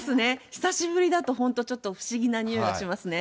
久しぶりだと、本当、ちょっと不思議なにおいがしますね。